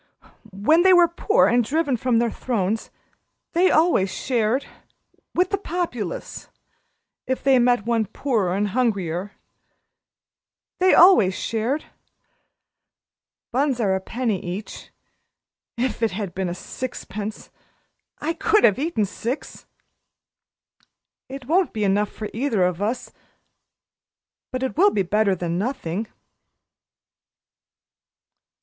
When they were poor and driven from their thrones they always shared with the Populace if they met one poorer and hungrier. They always shared. Buns are a penny each. If it had been sixpence! I could have eaten six. It won't be enough for either of us but it will be better than nothing."